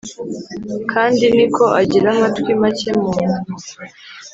Kandi ni ko agira amatwi make munda